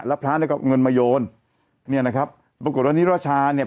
แล้วพระเนี่ยก็เอาเงินมาโยนเนี่ยนะครับปรากฏว่านิรชาเนี่ย